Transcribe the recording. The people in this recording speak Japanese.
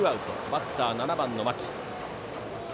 バッター、７番の牧。